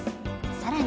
さらに。